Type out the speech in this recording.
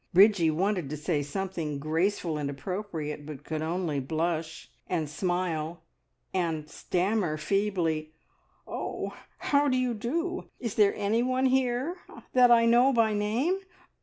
Bridgie wanted to say something graceful and appropriate, but could only blush, and smile, and stammer feebly. "Oh h! How do you do? Is there anyone here that I know by name?